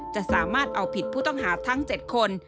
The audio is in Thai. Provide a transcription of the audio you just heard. จะสามารถเอาผิดผู้ต้องหาทั้ง๗คน